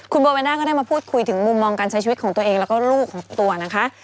คุณโบเวน่าก็ได้มาพูดคุยถึงมุมมองการใช้ชีวิตของตัวเองแล้วก็ลูกของตัวนะคะ